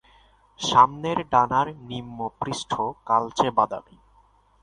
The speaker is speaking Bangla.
সামনের ডানার নিম্ন পৃষ্ঠ কালচে বাদামি।